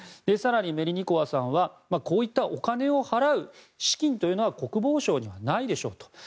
更に、メリニコワさんはこういったお金を払う資金というのは国防省にはないでしょうと。